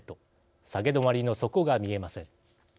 下げ止まりの底が見えません。